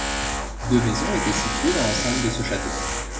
Deux maisons étaient situées dans l'enceinte de ce château.